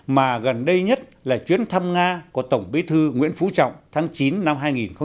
mà gần đây nhất là chuyến thăm nga của tổng bí thư nguyễn phú trọng tháng chín năm hai nghìn